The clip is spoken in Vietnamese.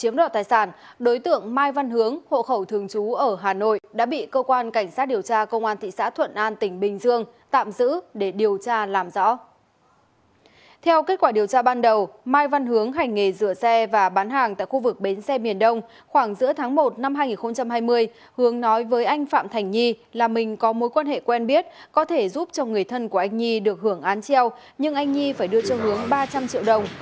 mình có mối quan hệ quen biết có thể giúp cho người thân của anh nhi được hưởng án treo nhưng anh nhi phải đưa cho hướng ba trăm linh triệu đồng